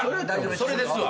それですわ。